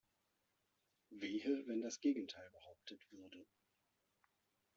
Wehe, wenn das Gegenteil behauptet würde!